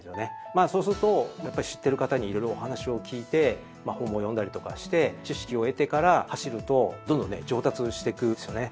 まあそうするとやっぱり知ってる方に色々お話を聞いて本も読んだりとかして知識を得てから走るとどんどんね上達してくるんですよね。